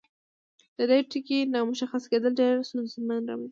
د دې ټکي نامشخص کیدل ډیرې ستونزې رامنځته کوي.